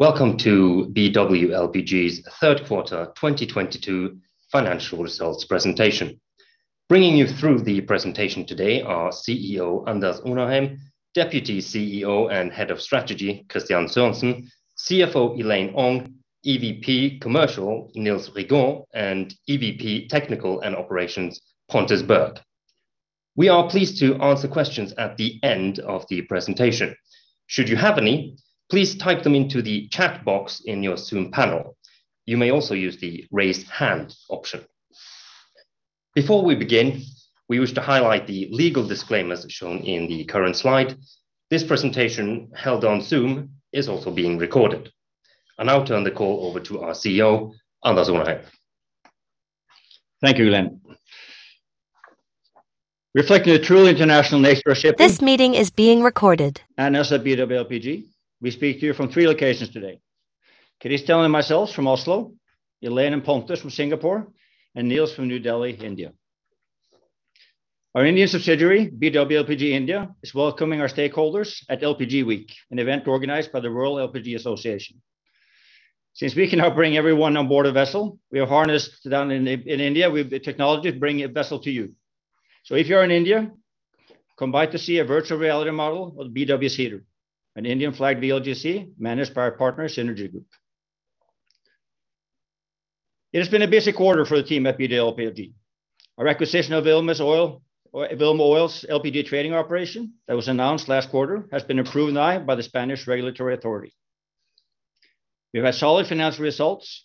Welcome to BW LPG's third quarter 2022 financial results presentation. Bringing you through the presentation today are CEO Anders Onarheim, Deputy CEO and Head of Strategy Kristian Sørensen, CFO Elaine Ong, EVP Commercial Niels Rigault, and EVP Technical and Operations Pontus Berg. We are pleased to answer questions at the end of the presentation. Should you have any, please type them into the chat box in your Zoom panel. You may also use the raise hand option. Before we begin, we wish to highlight the legal disclaimers shown in the current slide. This presentation held on Zoom is also being recorded. I now turn the call over to our CEO, Anders Onarheim. Thank you, Glenn. Reflecting the truly international nature of shipping. This meeting is being recorded. BW LPG, we speak to you from three locations today. Kristian and myself from Oslo, Elaine and Pontus from Singapore, and Niels from New Delhi, India. Our Indian subsidiary, BW LPG India, is welcoming our stakeholders at LPG Week, an event organized by the World LPG Association. Since we cannot bring everyone on board a vessel, we have harnessed technology in India with the technology to bring a vessel to you. If you're in India, come by to see a virtual reality model of BW Cedar, an Indian-flagged VLGC managed by our partner, Synergy Group. It has been a busy quarter for the team at BW LPG. Our acquisition of Vilma Oil, Vilma Oil's LPG trading operation that was announced last quarter has been approved now by the Spanish regulatory authority. We've had solid financial results,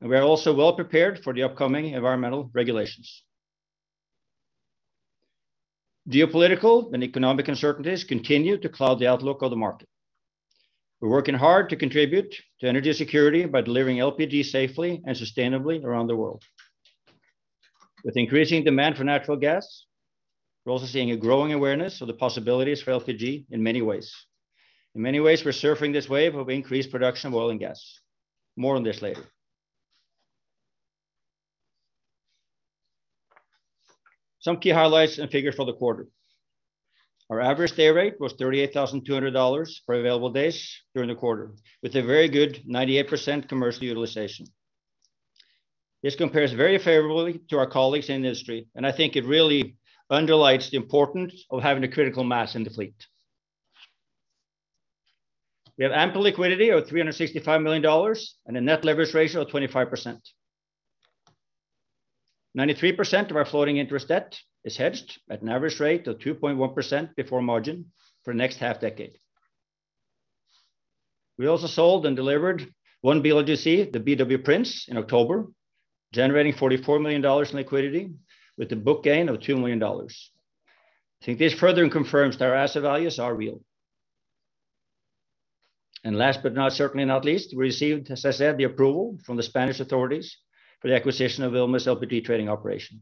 and we are also well prepared for the upcoming environmental regulations. Geopolitical and economic uncertainties continue to cloud the outlook of the market. We're working hard to contribute to energy security by delivering LPG safely and sustainably around the world. With increasing demand for natural gas, we're also seeing a growing awareness of the possibilities for LPG in many ways. In many ways, we're surfing this wave of increased production of oil and gas. More on this later. Some key highlights and figures for the quarter. Our average day rate was $38,200 per available days during the quarter, with a very good 98% commercial utilization. This compares very favorably to our colleagues in the industry, and I think it really underlines the importance of having a critical mass in the fleet. We have ample liquidity of $365 million and a net leverage ratio of 25%. 93% of our floating interest debt is hedged at an average rate of 2.1% before margin for the next half decade. We also sold and delivered one VLGC, the BW Prince, in October, generating $44 million in liquidity with a book gain of $2 million. I think this further confirms that our asset values are real. Last but not, certainly not least, we received, as I said, the approval from the Spanish authorities for the acquisition of Vilma Oil's LPG trading operation.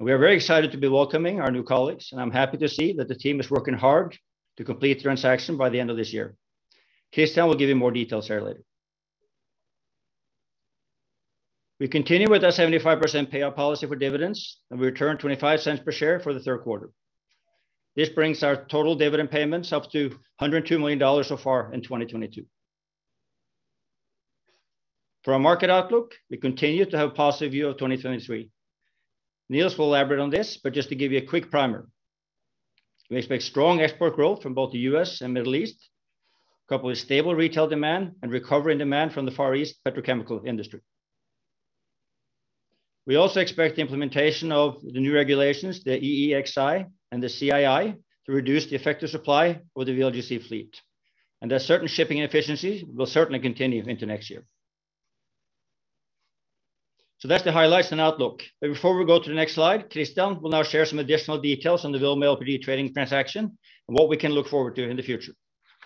We are very excited to be welcoming our new colleagues, and I'm happy to see that the team is working hard to complete the transaction by the end of this year. Kristian will give you more details here later. We continue with our 75% payout policy for dividends and we return $0.25 per share for the third quarter. This brings our total dividend payments up to $102 million so far in 2022. For our market outlook, we continue to have a positive view of 2023. Niels will elaborate on this, but just to give you a quick primer. We expect strong export growth from both the U.S. and Middle East, coupled with stable retail demand and recovery in demand from the Far East petrochemical industry. We also expect the implementation of the new regulations, the EEXI and the CII, to reduce the effective supply of the VLGC fleet. The certain shipping efficiencies will certainly continue into next year. That's the highlights and outlook. Before we go to the next slide, Kristian will now share some additional details on the Vilma Oil trading transaction and what we can look forward to in the future.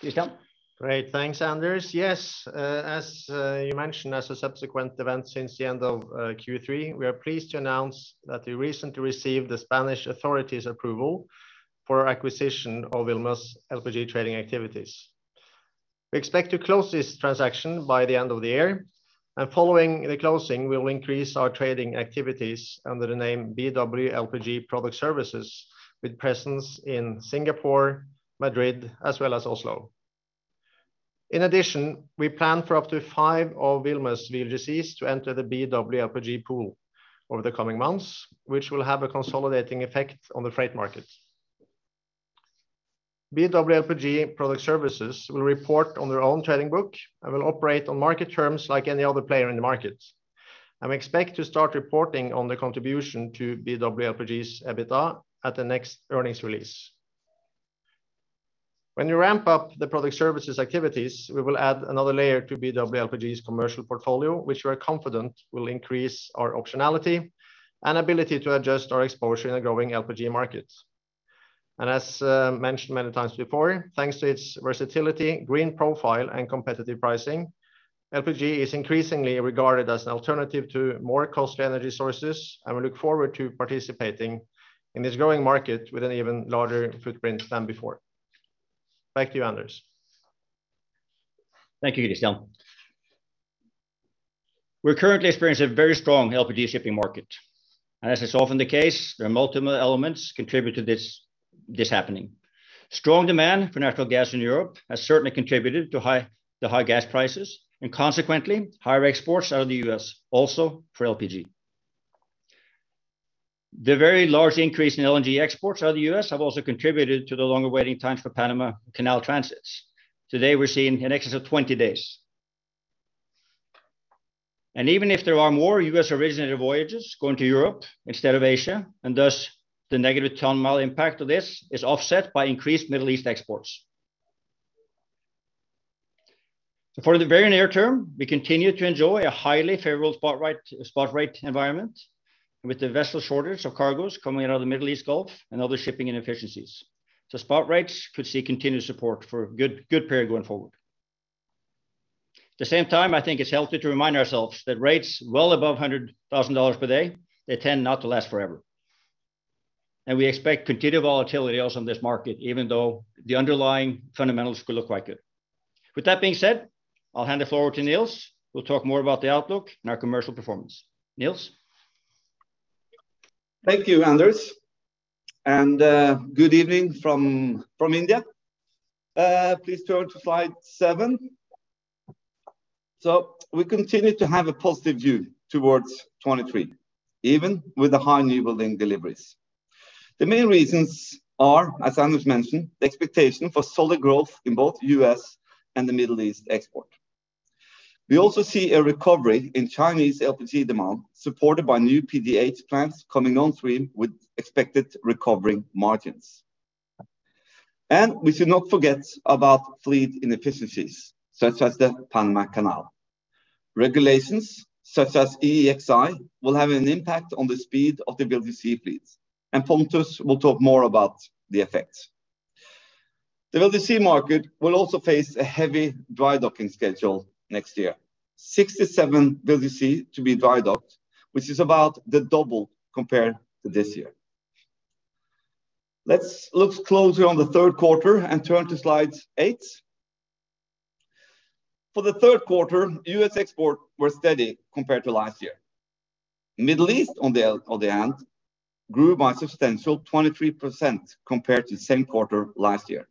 Kristian? Great. Thanks, Anders. Yes, as you mentioned, as a subsequent event since the end of Q3, we are pleased to announce that we recently received the Spanish authorities' approval for our acquisition of Vilma's LPG trading activities. We expect to close this transaction by the end of the year, and following the closing, we will increase our trading activities under the name BW LPG Product Services, with presence in Singapore, Madrid, as well as Oslo. In addition, we plan for up to five of Vilma's VLGCs to enter the BW LPG pool over the coming months, which will have a consolidating effect on the freight market. BW LPG Product Services will report on their own trading book and will operate on market terms like any other player in the market. We expect to start reporting on the contribution to BW LPG's EBITDA at the next earnings release. When we ramp up the product services activities, we will add another layer to BW LPG's commercial portfolio, which we are confident will increase our optionality and ability to adjust our exposure in the growing LPG market. As mentioned many times before, thanks to its versatility, green profile, and competitive pricing, LPG is increasingly regarded as an alternative to more costly energy sources, and we look forward to participating in this growing market with an even larger footprint than before. Back to you, Anders. Thank you, Kristian. We're currently experiencing a very strong LPG shipping market. As is often the case, there are multiple elements contribute to this happening. Strong demand for natural gas in Europe has certainly contributed to the high gas prices and consequently higher exports out of the U.S. also for LPG. The very large increase in LNG exports out of the U.S. have also contributed to the longer waiting times for Panama Canal transits. Today, we're seeing in excess of 20 days. Even if there are more U.S. originated voyages going to Europe instead of Asia, and thus the negative ton mile impact of this is offset by increased Middle East exports. For the very near term, we continue to enjoy a highly favorable spot rate environment with the vessel shortage of cargos coming out of the Middle East Gulf and other shipping inefficiencies. Spot rates could see continued support for a good period going forward. At the same time, I think it's healthy to remind ourselves that rates well above $100,000 per day, they tend not to last forever. We expect continued volatility also in this market, even though the underlying fundamentals could look quite good. With that being said, I'll hand the floor over to Niels, who will talk more about the outlook and our commercial performance. Niels. Thank you, Anders, and good evening from India. Please turn to slide 7. We continue to have a positive view towards 2023, even with the high new building deliveries. The main reasons are, as Anders mentioned, the expectation for solid growth in both US and the Middle East export. We also see a recovery in Chinese LPG demand, supported by new PDH plants coming on stream with expected recovering margins. We should not forget about fleet inefficiencies, such as the Panama Canal. Regulations such as EEXI will have an impact on the speed of the VLGC fleets, and Pontus will talk more about the effects. The VLGC market will also face a heavy dry docking schedule next year. 67 VLGC to be dry docked, which is about the double compared to this year. Let's look closer on the third quarter and turn to slide 8. For the third quarter, U.S. exports were steady compared to last year. Middle East, on the one hand, grew by substantially 23% compared to the same quarter last year.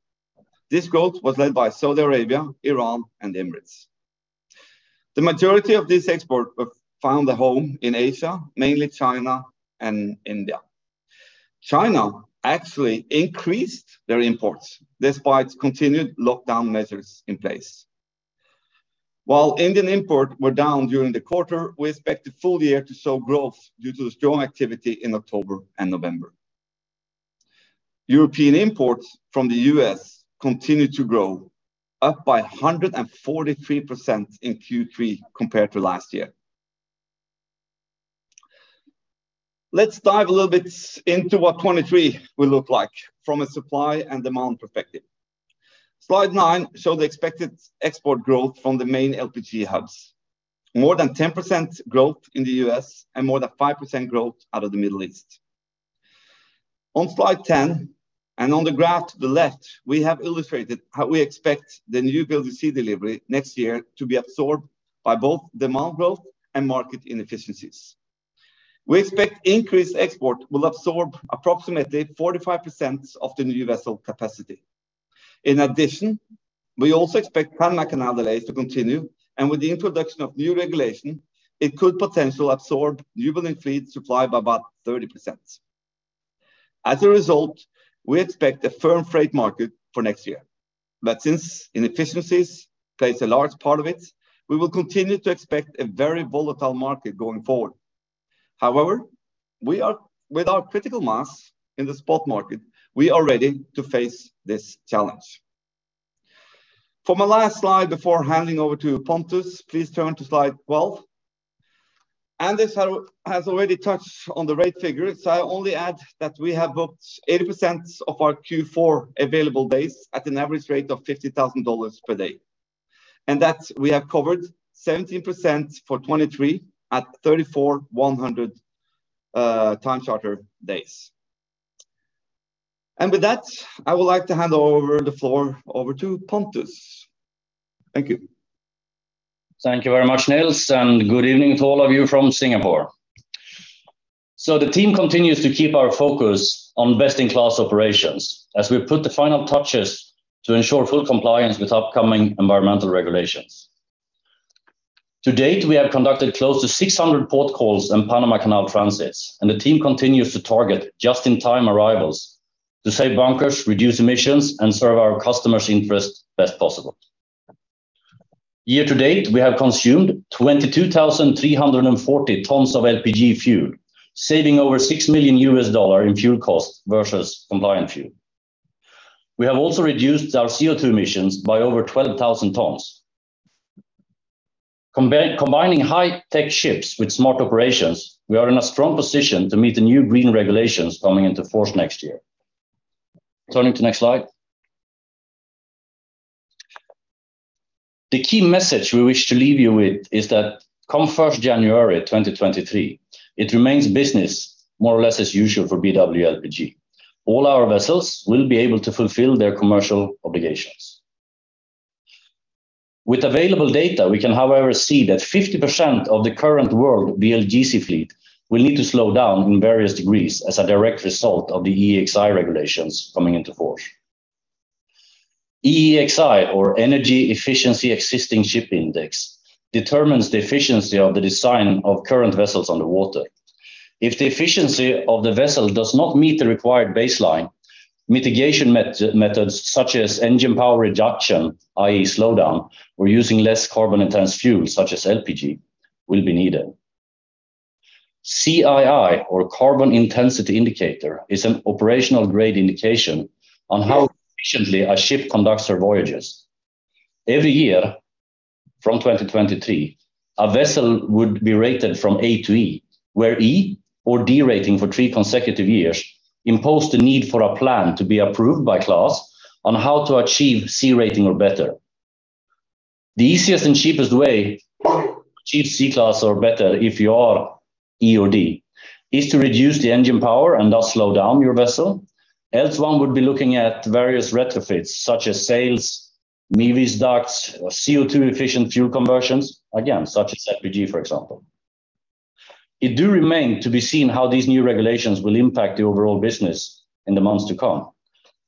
This growth was led by Saudi Arabia, Iran and Emirates. The majority of this export has found a home in Asia, mainly China and India. China actually increased their imports despite continued lockdown measures in place. While Indian imports were down during the quarter, we expect the full year to show growth due to the strong activity in October and November. European imports from the U.S. continue to grow, up by 143% in Q3 compared to last year. Let's dive a little bit into what 2023 will look like from a supply and demand perspective. Slide 9 shows the expected export growth from the main LPG hubs. More than 10% growth in the US and more than 5% growth out of the Middle East. On slide 10, and on the graph to the left, we have illustrated how we expect the new VLGC delivery next year to be absorbed by both demand growth and market inefficiencies. We expect increased export will absorb approximately 45% of the new vessel capacity. In addition, we also expect Panama Canal delays to continue, and with the introduction of new regulation, it could potentially absorb new building fleet supply by about 30%. As a result, we expect a firm freight market for next year. Since inefficiencies plays a large part of it, we will continue to expect a very volatile market going forward. However, with our critical mass in the spot market, we are ready to face this challenge. For my last slide before handing over to Pontus, please turn to slide 12. Anders has already touched on the rate figure, so I only add that we have booked 80% of our Q4 available days at an average rate of $50,000 per day. That we have covered 17% for 2023 at $34,100 time charter days. With that, I would like to hand over the floor to Pontus. Thank you. Thank you very much, Niels, and good evening to all of you from Singapore. The team continues to keep our focus on best-in-class operations as we put the final touches to ensure full compliance with upcoming environmental regulations. To date, we have conducted close to 600 port calls and Panama Canal transits, and the team continues to target just-in-time arrivals to save bunkers, reduce emissions, and serve our customers' interest best possible. Year to date, we have consumed 22,340 tons of LPG fuel, saving over $6 million in fuel cost versus combined fuel. We have also reduced our CO₂ emissions by over 12,000 tons. Combining high-tech ships with smart operations, we are in a strong position to meet the new green regulations coming into force next year. Turning to next slide. The key message we wish to leave you with is that come first January 2023, it remains business more or less as usual for BW LPG. All our vessels will be able to fulfill their commercial obligations. With available data, we can however see that 50% of the current world VLGC fleet will need to slow down in various degrees as a direct result of the EEXI regulations coming into force. EEXI or Energy Efficiency Existing Ship Index determines the efficiency of the design of current vessels on the water. If the efficiency of the vessel does not meet the required baseline, mitigation methods such as engine power reduction, i.e. slowdown, or using less carbon-intensive fuel such as LPG will be needed. CII or Carbon Intensity Indicator is an operational grade indication on how efficiently a ship conducts her voyages. Every year from 2023, a vessel would be rated from A to E, where E or D rating for three consecutive years impose the need for a plan to be approved by class on how to achieve C rating or better. The easiest and cheapest way to achieve C class or better if you are E or D is to reduce the engine power and thus slow down your vessel. Else one would be looking at various retrofits such as sails, Mewis Duct or CO₂ efficient fuel conversions, again, such as LPG, for example. It do remain to be seen how these new regulations will impact the overall business in the months to come.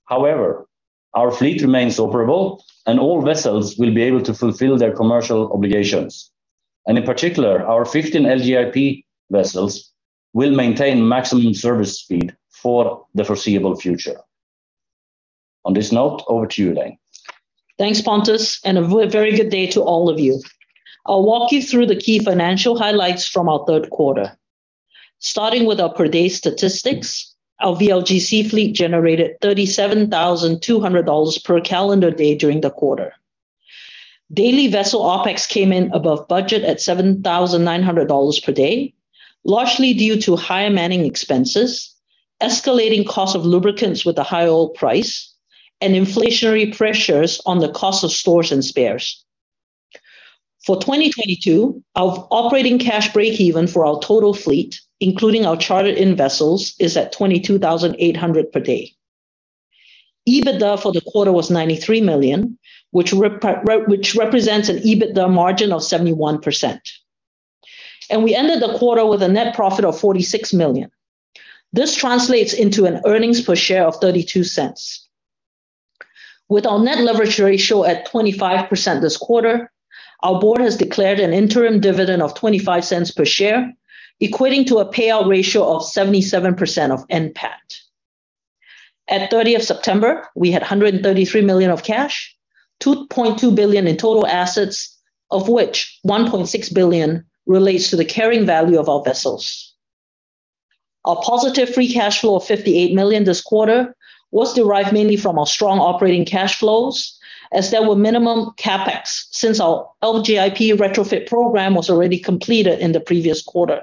However, our fleet remains operable, and all vessels will be able to fulfill their commercial obligations. In particular, our 15 LGIP vessels will maintain maximum service speed for the foreseeable future. On this note, over to you Elaine. Thanks, Pontus, and a very good day to all of you. I'll walk you through the key financial highlights from our third quarter. Starting with our per day statistics, our VLGC fleet generated $37,200 per calendar day during the quarter. Daily vessel OpEx came in above budget at $7,900 per day, largely due to higher manning expenses, escalating cost of lubricants with a high oil price, and inflationary pressures on the cost of stores and spares. For 2022, our operating cash breakeven for our total fleet, including our chartered-in vessels, is at $22,800 per day. EBITDA for the quarter was $93 million, which represents an EBITDA margin of 71%. We ended the quarter with a net profit of $46 million. This translates into an earnings per share of $0.32. With our net leverage ratio at 25% this quarter, our board has declared an interim dividend of $0.25 per share, equating to a payout ratio of 77% of NPAT. At September 30, we had $133 million of cash, $2.2 billion in total assets, of which $1.6 billion relates to the carrying value of our vessels. Our positive free cash flow of $58 million this quarter was derived mainly from our strong operating cash flows, as there were minimum CapEx since our LGIP retrofit program was already completed in the previous quarter.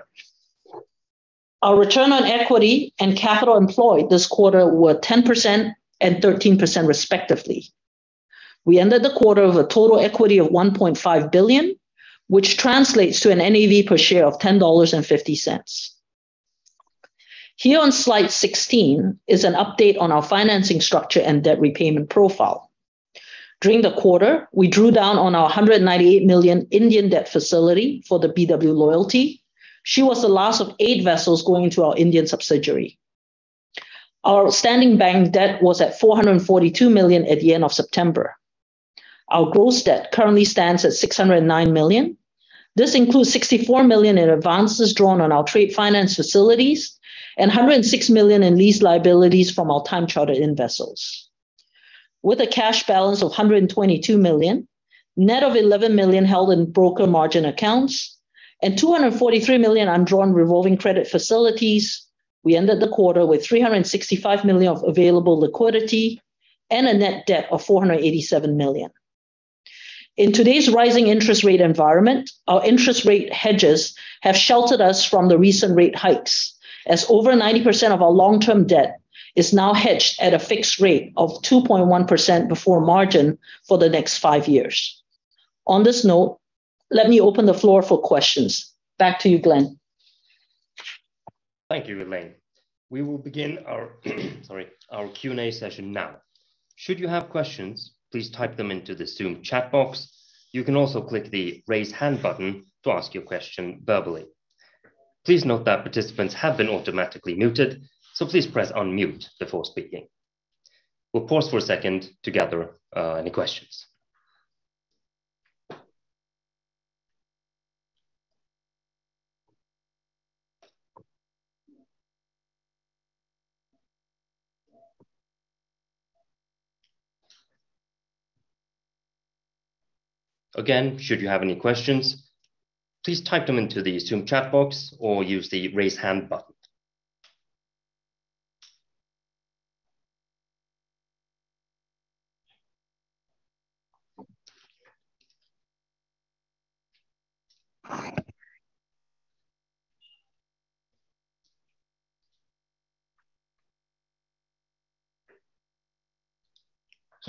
Our return on equity and capital employed this quarter were 10% and 13% respectively. We ended the quarter with a total equity of $1.5 billion, which translates to an NAV per share of $10.50. Here on slide 16 is an update on our financing structure and debt repayment profile. During the quarter, we drew down on our $198 million Indian debt facility for the BW Loyalty. She was the last of 8 vessels going into our Indian subsidiary. Our standing bank debt was at $442 million at the end of September. Our gross debt currently stands at $609 million. This includes $64 million in advances drawn on our trade finance facilities and $106 million in lease liabilities from our time chartered-in vessels. With a cash balance of $122 million, net of $11 million held in broker margin accounts, and $243 million undrawn revolving credit facilities, we ended the quarter with $365 million of available liquidity and a net debt of $487 million. In today's rising interest rate environment, our interest rate hedges have sheltered us from the recent rate hikes, as over 90% of our long-term debt is now hedged at a fixed rate of 2.1% before margin for the next 5 years. On this note, let me open the floor for questions. Back to you, Glenn. Thank you, Elaine. We will begin our Q&A session now. Should you have questions, please type them into the Zoom chat box. You can also click the Raise Hand button to ask your question verbally. Please note that participants have been automatically muted, so please press Unmute before speaking. We'll pause for a second to gather any questions. Again, should you have any questions, please type them into the Zoom chat box or use the Raise Hand button.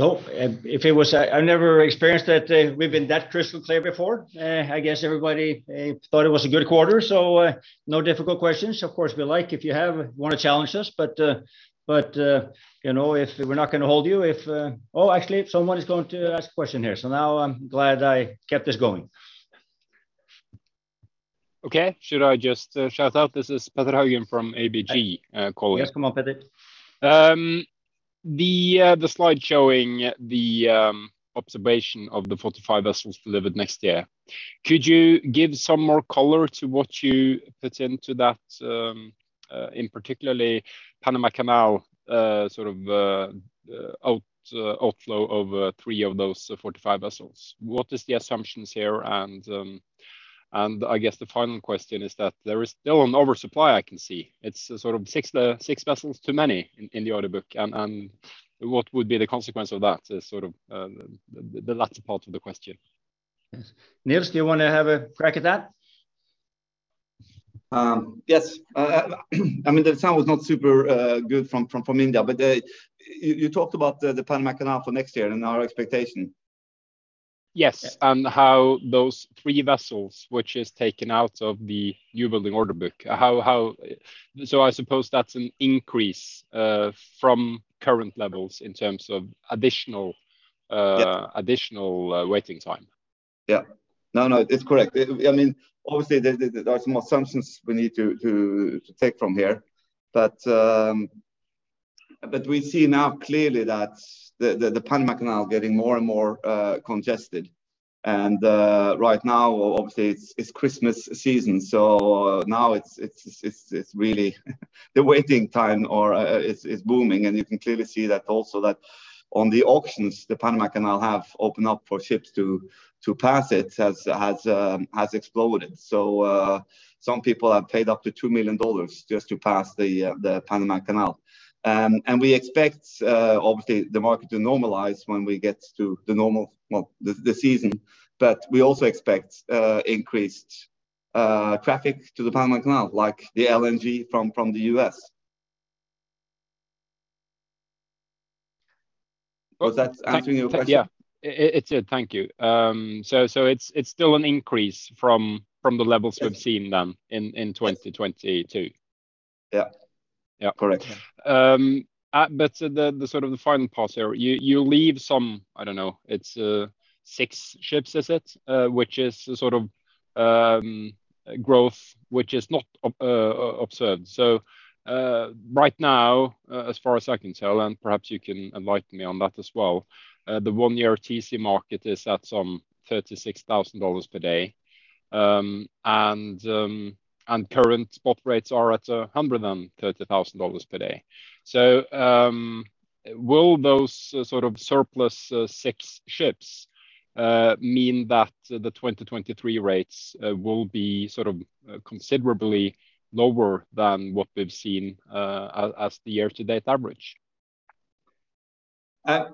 If it was, I've never experienced that we've been that crystal clear before. I guess everybody thought it was a good quarter, so no difficult questions. Of course, we like if you wanna challenge us, but you know, if we're not gonna hold you if. Oh, actually someone is going to ask a question here. Now I'm glad I kept this going. Okay. Should I just shout out? This is Petter Haugen from ABG, calling. Yes. Come on, Petter. The slide showing the observation of the 45 vessels delivered next year, could you give some more color to what you put into that, in particular Panama Canal, sort of, outflow of 3 of those 45 vessels? What is the assumptions here and I guess the final question is that there is still an oversupply I can see. It's sort of 6 vessels too many in the order book, and what would be the consequence of that is sort of the latter part of the question. Yes. Nils, do you wanna have a crack at that? Yes. I mean, the sound was not super good from India, but you talked about the Panama Canal for next year and our expectation. Yes. Yeah. How those three vessels which is taken out of the newbuilding order book, how? I suppose that's an increase from current levels in terms of additional- Yeah additional waiting time. Yeah. No, it's correct. I mean, obviously there are some assumptions we need to take from here, but we see now clearly that the Panama Canal getting more and more congested. Right now, obviously it's Christmas season, so now it's really the waiting time is booming. You can clearly see that also on the auctions the Panama Canal has opened up for ships to pass it has exploded. Some people have paid up to $2 million just to pass the Panama Canal. We expect obviously the market to normalize when we get to the normal season. We also expect increased traffic to the Panama Canal, like the LNG from the US. Was that answering your question? Yeah. It did. Thank you. It's still an increase from the levels we've seen then in 2022. Yeah. Yeah. Correct. The sort of final part here, you leave some. I don't know, it's six ships, is it? Which is sort of growth which is not absurd. Right now, as far as I can tell, and perhaps you can enlighten me on that as well, the one year TC market is at some $36,000 per day. And current spot rates are at $130,000 per day. Will those sort of surplus six ships mean that the 2023 rates will be sort of considerably lower than what we've seen as the year to date average? I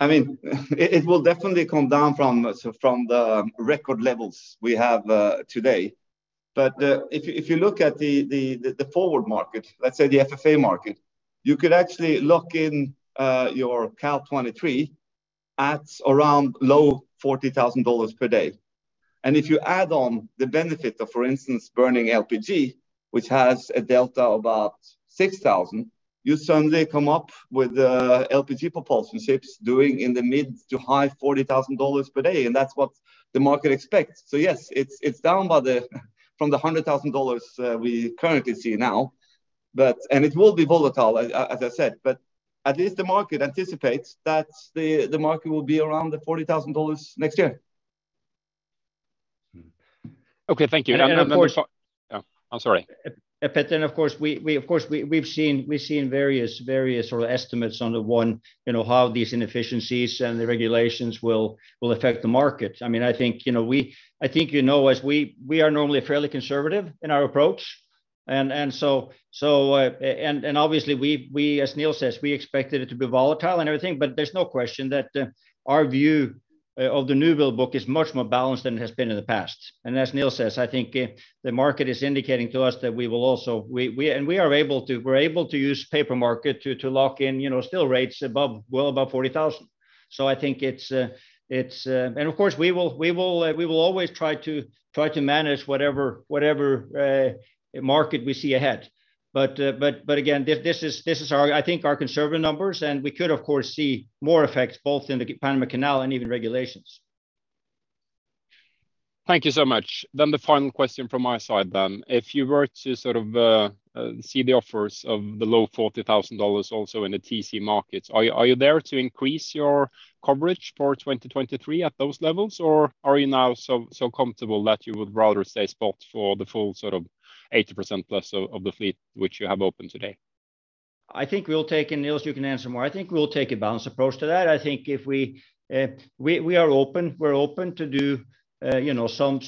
mean, it will definitely come down from the record levels we have today. If you look at the forward market, let's say the FFA market, you could actually lock in your CAL 23 at around low $40,000 per day. If you add on the benefit of, for instance, burning LPG, which has a delta of about $6,000, you suddenly come up with LPG propulsion ships doing in the mid- to high $40,000 per day, and that's what the market expects. Yes, it's down from the $100,000 we currently see now, but it will be volatile, as I said, but at least the market anticipates that the market will be around the $40,000 next year. Mm-hmm. Okay. Thank you. Of course. Yeah, I'm sorry. Of course we've seen various sort of estimates on the one, you know, how these inefficiencies and the regulations will affect the market. I mean, I think, you know, we are normally fairly conservative in our approach and so obviously, as Niels says, we expected it to be volatile and everything, but there's no question that our view of the new build book is much more balanced than it has been in the past. As Niels says, I think the market is indicating to us that we will also. We are able to use paper market to lock in, you know, still rates above, well above $40,000. I think it's. Of course we will always try to manage whatever market we see ahead. But again, this is, I think, our conservative numbers, and we could of course see more effects both in the Panama Canal and even regulations. Thank you so much. The final question from my side. If you were to sort of see the offers of the low $40,000 also in the TC markets, are you there to increase your coverage for 2023 at those levels, or are you now so comfortable that you would rather stay spot for the full sort of 80%+ of the fleet which you have open today? Niels, you can answer more. I think we'll take a balanced approach to that. I think if we are open, we're open to do you know some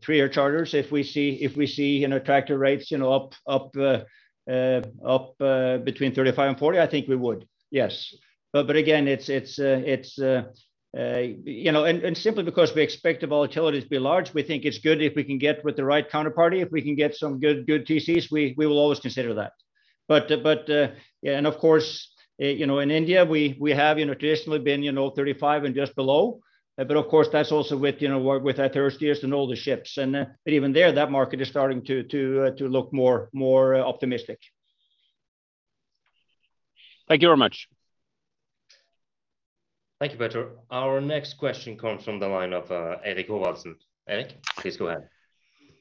pre-charters if we see you know attractive rates you know up between $35 and $40, I think we would. Yes. Again, it's you know and simply because we expect the volatility to be large, we think it's good if we can get with the right counterparty, if we can get some good TCs, we will always consider that. Yeah, and of course, you know, in India we have, you know, traditionally been, you know, 35% and just below, but of course that's also with, you know, work with our third parties and all the ships. Even there, that market is starting to look more optimistic. Thank you very much. Thank you, Petter. Our next question comes from the line of Erik Havalsson. Erik, please go ahead.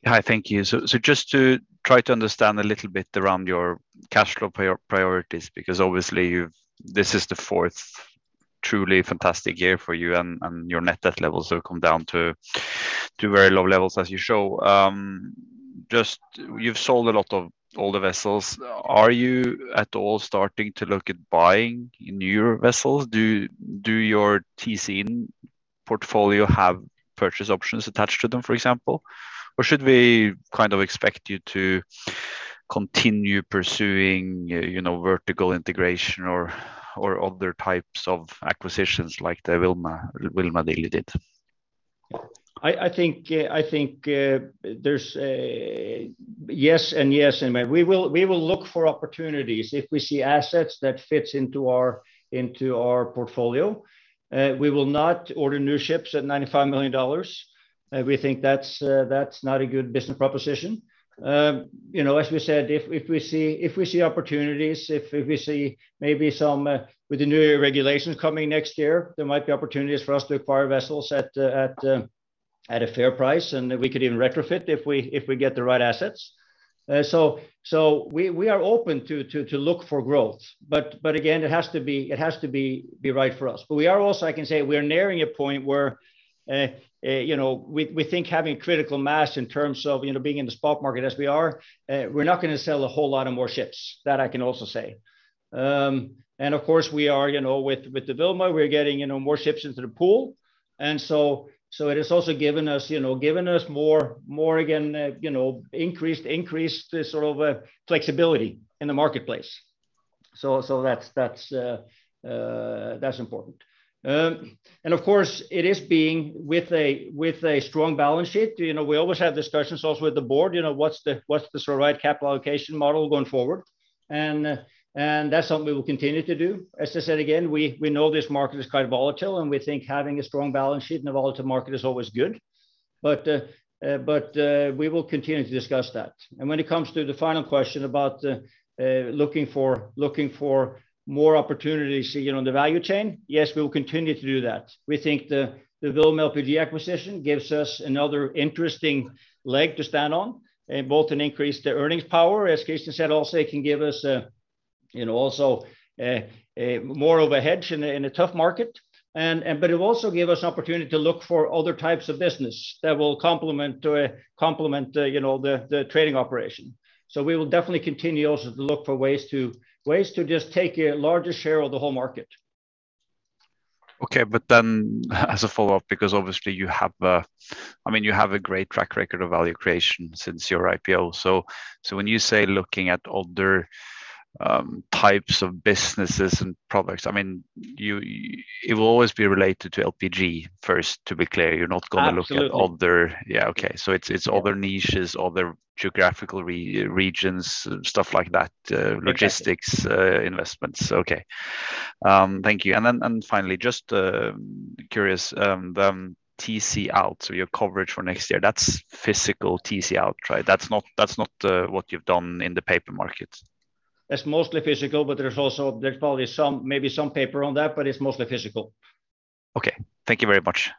Hi. Thank you. Just to try to understand a little bit around your cash flow priorities, because obviously you've this is the fourth truly fantastic year for you, and your net debt levels have come down to very low levels as you show. Just you've sold a lot of older vessels. Are you at all starting to look at buying newer vessels? Do your TC portfolio have purchase options attached to them, for example? Should we kind of expect you to continue pursuing, you know, vertical integration or other types of acquisitions like the Vilma deal you did? I think there's a yes and yes. I mean, we will look for opportunities if we see assets that fits into our portfolio. We will not order new ships at $95 million. We think that's not a good business proposition. You know, as we said, if we see opportunities, if we see maybe some with the new regulations coming next year, there might be opportunities for us to acquire vessels at a fair price, and we could even retrofit if we get the right assets. So we are open to look for growth. But again, it has to be right for us. We are also, I can say, we are nearing a point where, you know, we think having critical mass in terms of, you know, being in the spot market as we are, we're not gonna sell a whole lot of more ships. That I can also say. Of course, we are, you know, with the Vilma, we're getting, you know, more ships into the pool. It has also given us, you know, given us more, again, you know, increased the sort of flexibility in the marketplace. That's important. Of course it is being with a strong balance sheet. You know, we always have discussions also with the board, you know, what's the sort of right capital allocation model going forward? That's something we will continue to do. As I said again, we know this market is quite volatile, and we think having a strong balance sheet in a volatile market is always good. We will continue to discuss that. When it comes to the final question about looking for more opportunities, you know, in the value chain, yes, we will continue to do that. We think the Vilma Oil acquisition gives us another interesting leg to stand on and both an increase to earnings power, as Kristian Sørensen said, also it can give us, you know, more of a hedge in a tough market. It will also give us an opportunity to look for other types of business that will complement you know the trading operation. We will definitely continue also to look for ways to just take a larger share of the whole market. Okay. As a follow-up, because obviously you have, I mean, you have a great track record of value creation since your IPO. When you say looking at other types of businesses and products, I mean, you, it will always be related to LPG first, to be clear. You're not- Absolutely. Yeah. Okay. It's other niches, other geographical regions, stuff like that. Exactly. Logistics, investments. Okay. Thank you. Then, finally, just curious, the TC out, so your coverage for next year, that's physical TC out, right? That's not what you've done in the paper market. It's mostly physical, but there's also probably some, maybe some paper on that, but it's mostly physical. Okay. Thank you very much.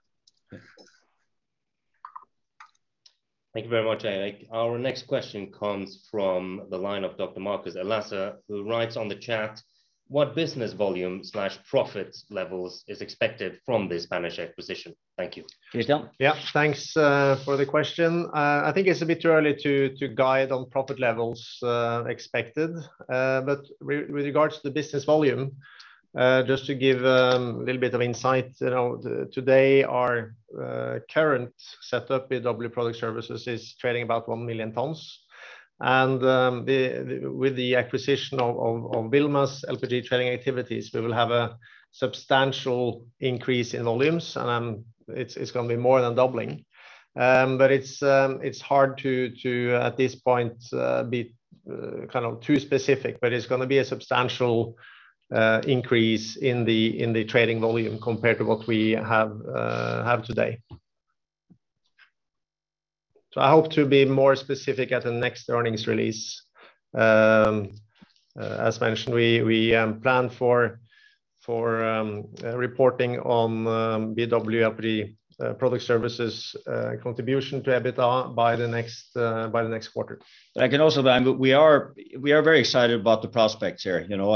Thank you very much, Erik. Our next question comes from the line of Dr. Marcus Elasa, who writes on the chat, "What business volume/profit levels is expected from the Spanish acquisition? Thank you. Kristian. Yeah. Thanks for the question. I think it's a bit too early to guide on profit levels expected. With regards to business volume, just to give a little bit of insight. You know, today our current setup with BW Product Services is trading about 1 million tons. With the acquisition of Vilma's LPG trading activities, we will have a substantial increase in volumes, and it's gonna be more than doubling. It's hard to at this point be kind of too specific, but it's gonna be a substantial increase in the trading volume compared to what we have today. I hope to be more specific at the next earnings release. As mentioned, we plan for reporting on BW LPG Product Services contribution to EBITDA by the next quarter. I can also add, we are very excited about the prospects here, you know.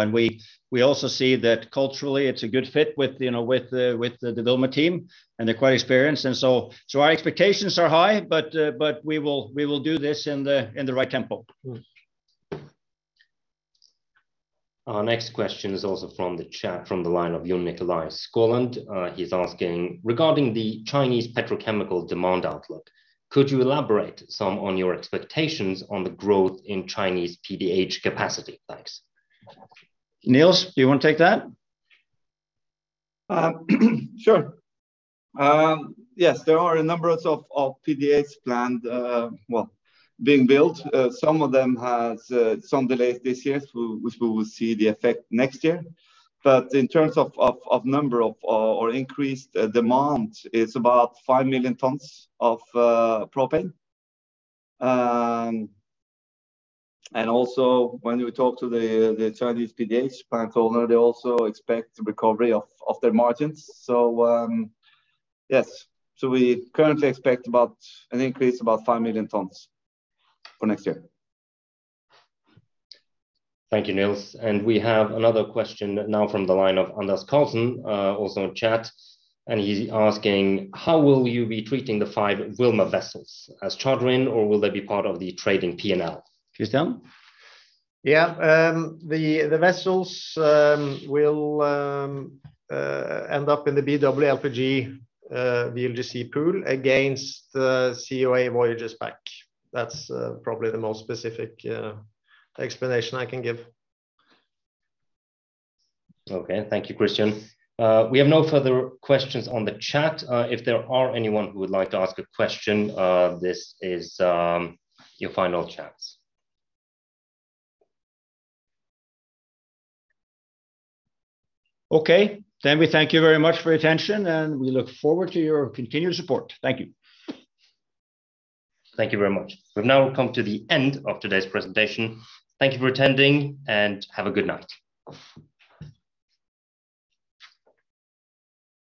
We also see that culturally it's a good fit with, you know, with the Vilma team, and they're quite experienced. Our expectations are high, but we will do this in the right tempo. Our next question is also from the chat, from the line of Yun Nicolai Scotland. He's asking: "Regarding the Chinese petrochemical demand outlook, could you elaborate some on your expectations on the growth in Chinese PDH capacity? Thanks. Niels, do you wanna take that? Sure. Yes, there are a number of PDHs planned, well, being built. Some of them has some delays this year. We will see the effect next year. In terms of number of or increased demand, it's about 5 million tons of propane. Also when we talk to the Chinese PDH plant owner, they also expect recovery of their margins. Yes. We currently expect about an increase about 5 million tons for next year. Thank you, Niels. We have another question now from the line of Anders Karlsen, also in chat. He's asking: "How will you be treating the five Vilma vessels? As chartering or will they be part of the trading P&L? Kristian. Yeah. The vessels will end up in the BW LPG VLGC pool against the COA voyages back. That's probably the most specific explanation I can give. Okay. Thank you, Kristian. We have no further questions on the chat. If there are anyone who would like to ask a question, this is your final chance. Okay. We thank you very much for your attention, and we look forward to your continued support. Thank you. Thank you very much. We've now come to the end of today's presentation. Thank you for attending, and have a good night.